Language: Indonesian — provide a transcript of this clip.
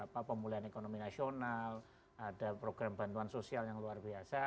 pemulihan ekonomi nasional ada program bantuan sosial yang luar biasa